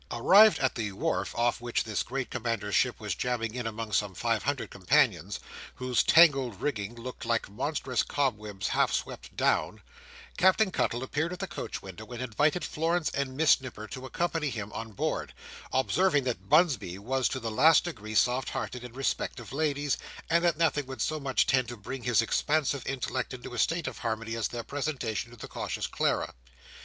Arrived at the wharf off which this great commander's ship was jammed in among some five hundred companions, whose tangled rigging looked like monstrous cobwebs half swept down, Captain Cuttle appeared at the coach window, and invited Florence and Miss Nipper to accompany him on board; observing that Bunsby was to the last degree soft hearted in respect of ladies, and that nothing would so much tend to bring his expansive intellect into a state of harmony as their presentation to the Cautious Clara.